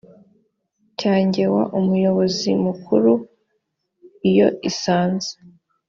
cyangewa umuyobozi mu kuru iyo isanze